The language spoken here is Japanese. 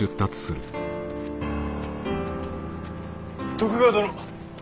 徳川殿。